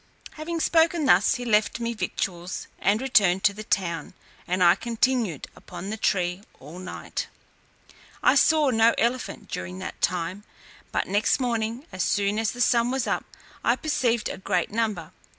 Having spoken thus, he left me victuals, and returned to the town, and I continued upon the tree all night. I saw no elephant during that time, but next morning, as soon as the sun was up, I perceived a great number.